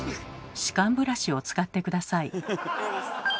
歯間ブラシを使って下さい。